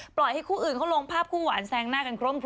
ปล่อยให้คู่อื่นเขาลงภาพคู่หวานแซงหน้ากันครบถ้ว